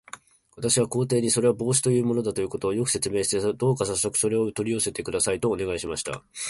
私は皇帝に、それは帽子というものだということを、よく説明して、どうかさっそくそれを取り寄せてください、とお願いしました。